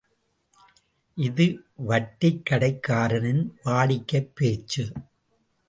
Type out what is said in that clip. இது வட்டிக்கடைக்காரனின் வாடிக்கைப் பேச்சு.